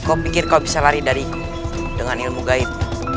aku pikir kau bisa lari dariku dengan ilmu gaib